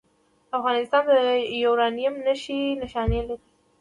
افغانستان د یورانیم نښې نښانې لري